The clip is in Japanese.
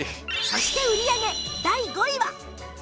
そして売り上げ第５位は